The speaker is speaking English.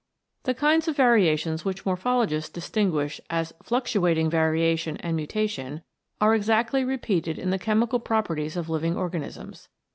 The kinds of variations which morphologists distinguish as Fluctuating Variation and Mutation are exactly repeated in the chemical properties of living organisms.